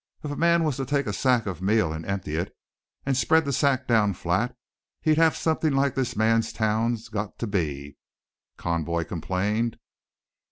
"If a man was to take a sack of meal and empty it, and spread the sack down flat, he'd have something like this man's town's got to be," Conboy complained.